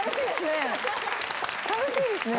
楽しいですね。